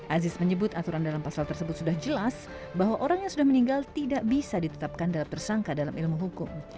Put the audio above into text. aziz menyebut aturan dalam pasal tersebut sudah jelas bahwa orang yang sudah meninggal tidak bisa ditetapkan dalam tersangka dalam ilmu hukum